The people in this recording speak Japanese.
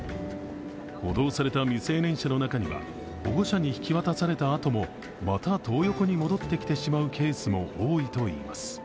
補導された未成年者の中には保護者に引き渡されたあともまたトー横に戻ってきてしまうケースも多いといいます。